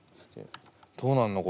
どうなんの？